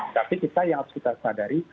tapi kita yang harus kita sadari